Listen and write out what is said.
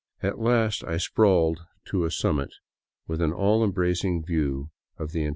At last I sprawled to a summit with an all embracing view of the en.